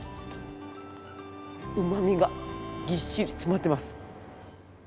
うまみがぎっしり詰まってます。